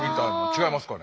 違いますかね？